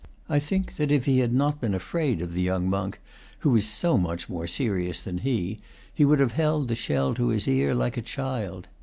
I think that if he had not been afraid of the young monk, who was so much more serious than he, he would have held the shell to his ear, like a child.